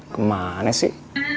ke mana sih